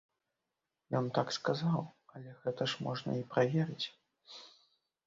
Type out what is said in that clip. Ён так сказаў, але гэта ж можна і праверыць!